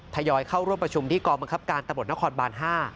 ทยอยเข้าร่วมประชุมที่กองบังคับการตำรวจนครบาน๕